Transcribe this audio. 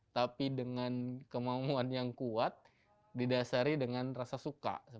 tapi dengan kemampuan yang kuat didasari dengan rasa suka